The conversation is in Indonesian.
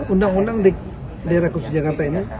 undang undang di daerah khusus jakarta ini